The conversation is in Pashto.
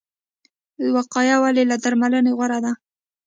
وقایه ولې له درملنې غوره ده؟